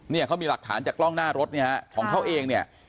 เนี่ยเขามีหลักฐานจากกล้องหน้ารถเนี่ยฮะของเขาเองเนี่ย